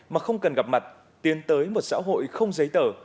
mà không cần gặp mặt tiến tới một xã hội không giấy tờ